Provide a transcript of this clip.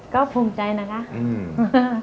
ก็ภูมิใจนะครับ